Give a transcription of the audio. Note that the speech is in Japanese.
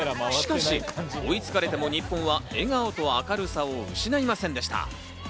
しかし追いつかれても日本は笑顔と明るさを失いませんでした。